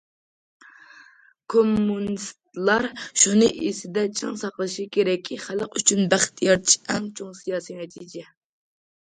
كوممۇنىستلار شۇنى ئېسىدە چىڭ ساقلىشى كېرەككى، خەلق ئۈچۈن بەخت يارىتىش ئەڭ چوڭ سىياسىي نەتىجە.